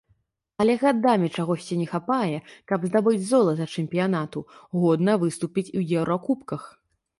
Але гадамі чагосьці не хапае, каб здабыць золата чэмпіянату, годна выступіць у еўракубках.